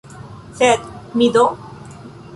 Sed mi do?